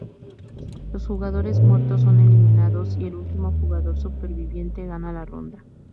Los jugadores muertos son eliminados y el último jugador superviviente gana la ronda.